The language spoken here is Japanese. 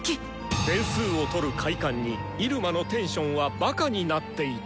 点数を取る快感に入間のテンションはバカになっていた。